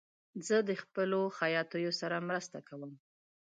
زه د خپلو خیاطیو سره مرسته کوم.